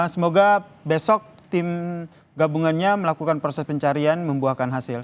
semoga besok tim gabungannya melakukan proses pencarian membuahkan hasil